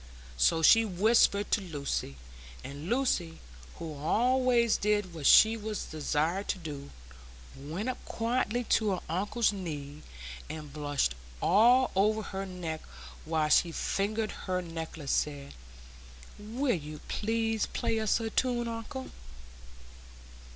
So she whispered to Lucy; and Lucy, who always did what she was desired to do, went up quietly to her uncle's knee, and blushing all over her neck while she fingered her necklace, said, "Will you please play us a tune, uncle?"